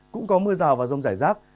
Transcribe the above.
cũng có mưa rào và rông rải rác